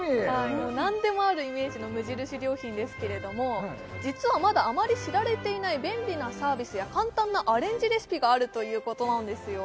もう何でもあるイメージの無印良品ですけれども実はまだあまり知られていない便利なサービスや簡単なアレンジレシピがあるということなんですよ